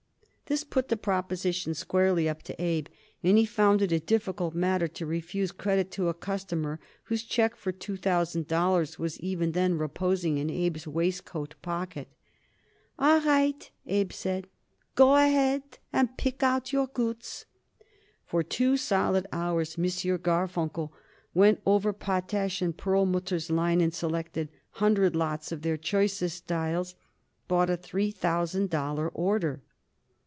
This put the proposition squarely up to Abe, and he found it a difficult matter to refuse credit to a customer whose check for two thousand dollars was even then reposing in Abe's waistcoat pocket. "All right," Abe said. "Go ahead and pick out your goods." For two solid hours M. Garfunkel went over Potash & Perlmutter's line and, selecting hundred lots of their choicest styles, bought a three thousand dollar order.